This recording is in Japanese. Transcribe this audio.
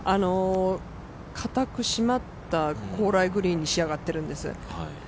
硬く締まった高麗グリーンに仕上がっているんです。